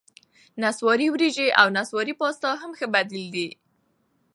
نسواري ورېجې او نسواري پاستا هم ښه بدیل دي.